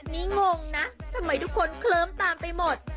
นี่งงนะทำไมทุกคนเคลิ้มตามไปหมด